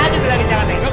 dibilangin jangan nenguk